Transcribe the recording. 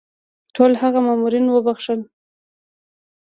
ټول هغه مامورین وبخښل.